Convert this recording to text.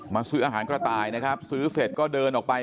ซื้ออาหารกระต่ายนะครับซื้อเสร็จก็เดินออกไป